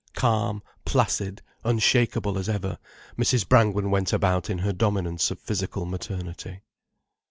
Calm, placid, unshakeable as ever, Mrs. Brangwen went about in her dominance of physical maternity.